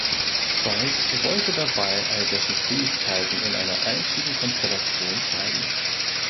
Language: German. Zeus wollte dabei all dessen Fähigkeiten in einer einzigen Konstellation zeigen.